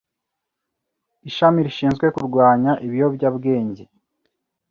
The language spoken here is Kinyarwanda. Ishami rishinzwe kurwanya ibiyobyabwenge